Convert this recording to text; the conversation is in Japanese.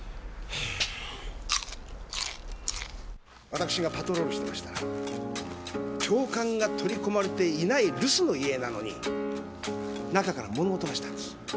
私がパトロールしてましたら朝刊が取り込まれていない留守の家なのに中から物音がしたんです。